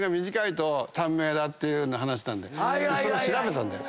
それを調べたんだよ。